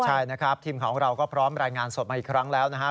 ใช่นะครับทีมข่าวของเราก็พร้อมรายงานสดมาอีกครั้งแล้วนะครับ